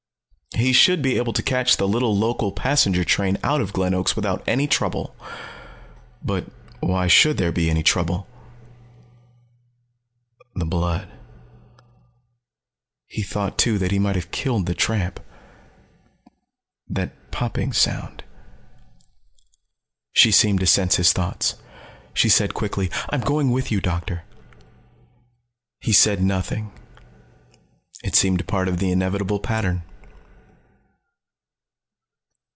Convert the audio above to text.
He should be able to catch the little local passenger train out of Glen Oaks without any trouble. But why should there be any trouble? The blood He thought too that he might have killed the tramp, that popping sound. She seemed to sense his thoughts. She said quickly: "I'm going with you, Doctor." He said nothing. It seemed part of the inevitable pattern.